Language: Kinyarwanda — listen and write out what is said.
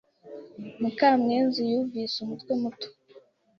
Mukamwezi yumvise umutwe muto.